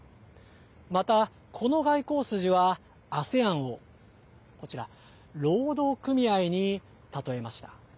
また、この外交筋はＡＳＥＡＮをこちら、労働組合にたとえました。